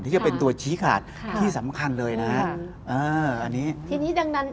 ที่จะเป็นตัวชี้ขาดที่สำคัญเลยนะฮะ